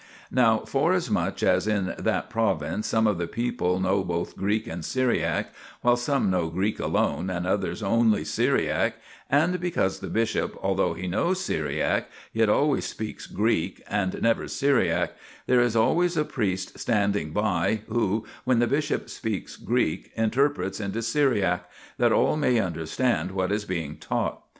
Now, forasmuch as in that province some of the people know both Greek and Syriac, while some know Greek alone and others only Syriac ; and because the bishcp, although he knows Syriac, yet always speaks Greek, and never Syriac, there is always a priest standing by who, when the bishop speaks Greek, interprets into Syriac, that all may understand what is being taught.